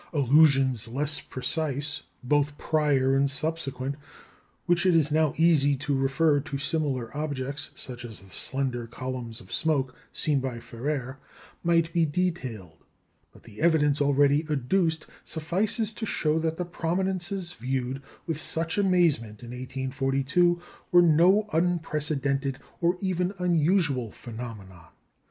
Allusions less precise, both prior and subsequent, which it is now easy to refer to similar objects (such as the "slender columns of smoke" seen by Ferrer) might be detailed; but the evidence already adduced suffices to show that the prominences viewed with such amazement in 1842 were no unprecedented or even unusual phenomenon.